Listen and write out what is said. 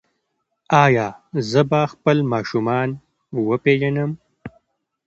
ایا زه به خپل ماشومان وپیژنم؟